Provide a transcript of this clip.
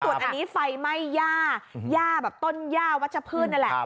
ส่วนอันนี้ไฟไหม้หญ้าหญ้าแบบต้นหญ้าวัชพื้นนั่นแหละ